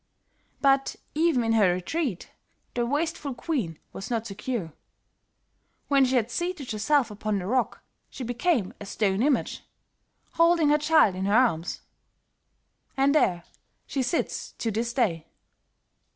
But even in her retreat the wasteful queen was not secure. When she had seated herself upon the rock, she became a stone image, holding her child in her arms. And there she sits to this day.